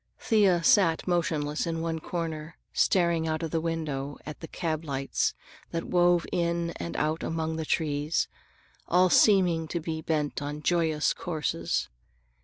Thea sat motionless in one corner staring out of the window at the cab lights that wove in and out among the trees, all seeming to be bent upon joyous courses.